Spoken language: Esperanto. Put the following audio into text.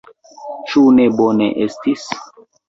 Ĉu ne bone estis?